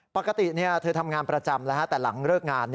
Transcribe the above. ปกติเธอทำงานประจำแต่หลังเลิกงาน